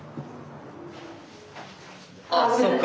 あっそっか。